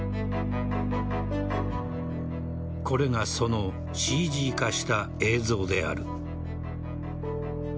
これがそのＣＧ化した映像である。